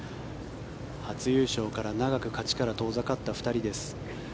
初優勝から、長く勝ちから遠ざかった２人です。